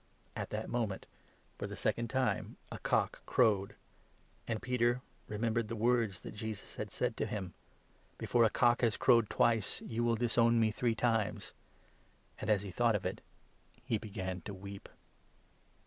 At that moment, for the second time, a cock crowed ; and Peter remembered the words that Jesus had said to him —' Before a cock has crowed twice, you will disown me three times '; and, as he thought of it, he began to weep.